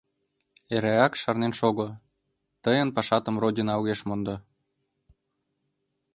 Эреак шарнен шого: тыйын пашатым Родина огеш мондо.